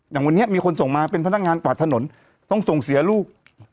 อย่างวันนี้มีคนส่งมาเป็นพนักงานกวาดถนนต้องส่งเสียลูก